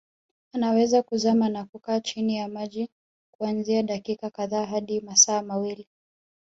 Anaweza kuzama na kukaa chini ya maji kuanzia dakika kadhaa hadi masaa mawili